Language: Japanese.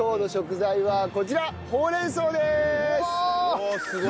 おおすごい！